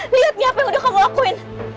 lihat nih apa yang udah kamu lakuin